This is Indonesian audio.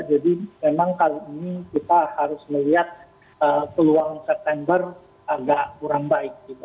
jadi memang kali ini kita harus melihat peluang september agak kurang baik gitu